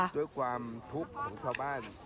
ด้วยความทุกข์ของชาวบ้าน